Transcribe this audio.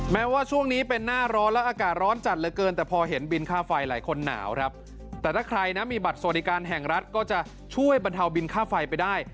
แม้ว่าช่วงนี้เป็นหน้าร้อนและอากาศร้อนจัดเหลือเกินแต่พอเห็นบินค่าไฟหลายคนหนาวครับแต่ถ้าใครนะมีบัตรสวัสดิการแห่งรัฐก็จะช่วยบรรเทาบินค่าไฟไปได้